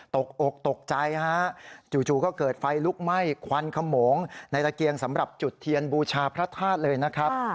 ตกอกตกใจฮะจู่ก็เกิดไฟลุกไหม้ควันขโมงในตะเกียงสำหรับจุดเทียนบูชาพระธาตุเลยนะครับ